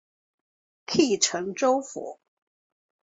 隶辰州府。